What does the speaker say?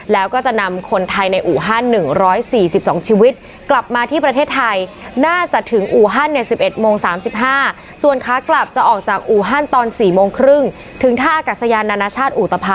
แล้วก็จะนำคนไทยในอู่ฮัน๑๔๒ชีวิต